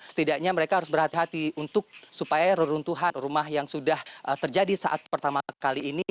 setidaknya mereka harus berhati hati untuk supaya reruntuhan rumah yang sudah terjadi saat pertama kali ini